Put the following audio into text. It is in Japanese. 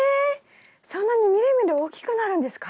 そんなにみるみる大きくなるんですか？